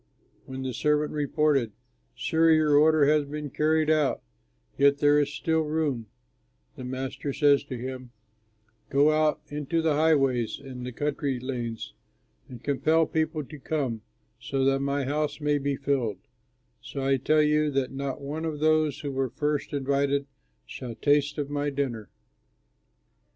When the servant reported, 'Sir, your order has been carried out, yet there is still room,' the master said to him, 'Go out into the highways and the country lanes and compel people to come, so that my house may be filled; for I tell you, that not one of those who were first invited shall taste of my dinner.'"